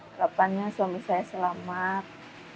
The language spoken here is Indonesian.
harapannya suami saya selamat